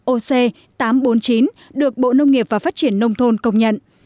oc tám trăm bốn mươi chín được bộ nông nghiệp và phát triển nông thôn công nhận